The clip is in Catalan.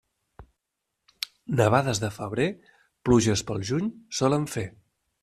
Nevades de febrer, pluges pel juny solen fer.